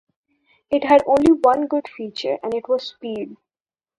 It had only one good feature, and it was speed.